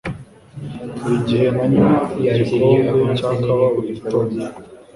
Buri gihe nanywa igikombe cya kawa buri gitondo.